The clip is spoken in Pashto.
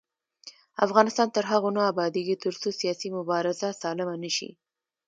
افغانستان تر هغو نه ابادیږي، ترڅو سیاسي مبارزه سالمه نشي.